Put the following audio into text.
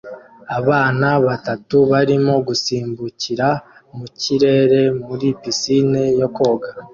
Abana batatu barimo gusimbukira mu kirere muri pisine yo koga